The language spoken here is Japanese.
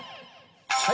はい